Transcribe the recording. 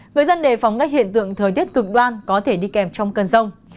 người dân đề phóng các hiện tượng thời tiết cực đoan có thể đi kèm trong cơn rông